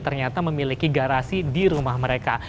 ternyata memiliki garasi di rumah mereka